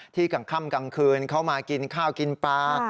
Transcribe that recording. กลางค่ำกลางคืนเขามากินข้าวกินปลา